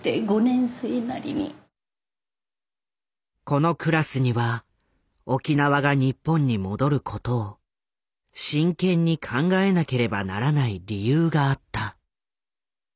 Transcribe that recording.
このクラスには沖縄が日本に戻ることを真剣に考えなければならない理由があった。